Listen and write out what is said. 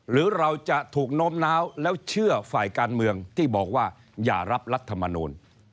หรือเราจะถูกโน้มน้าวแล้วเชื่อฝ่ายการเมืองที่บอกว่าอย่ารับรัฐมนูล